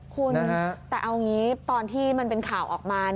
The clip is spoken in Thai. คุณแต่เอางี้ตอนที่มันเป็นข่าวออกมา